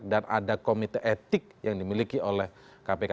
dan ada komite etik yang dimiliki oleh kpk